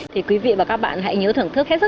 thì quý vị và các bạn hãy nhớ thưởng thức hết sức